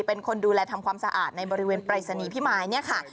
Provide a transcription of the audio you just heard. เป็นคนดูแลทำความสะอาดในบริเวณปรายศนีย์พิมายเนี่ยค่ะ